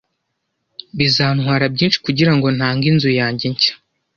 Bizantwara byinshi kugirango ntange inzu yanjye nshya.